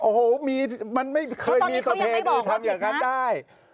โอ้โหมันไม่เคยมีประเพณีทำอย่างนั้นได้